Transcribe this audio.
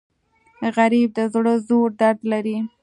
غریب د زړه ژور درد لري